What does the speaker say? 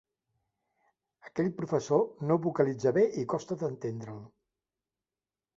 Aquell professor no vocalitza bé i costa d'entendre'l.